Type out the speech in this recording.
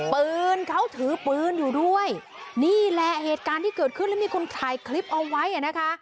ปืนเขาถือปืนอยู่ด้วยนี่แหละเหตุการณ์ที่เกิดขึ้นแล้วมีคนถ่ายคลิปเอาไว้อ่ะนะคะ